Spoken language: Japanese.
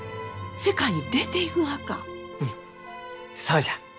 うんそうじゃ！